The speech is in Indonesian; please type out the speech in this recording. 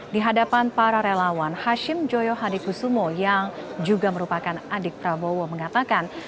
di hadapan para relawan hashim joyo hadikusumo yang juga merupakan adik prabowo mengatakan